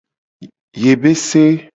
Yebese.